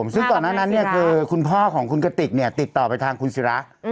ซึ่งก่อนหน้านั้นคือคุณพ่อของคุณกติกติดต่อไปทางคุณศิระ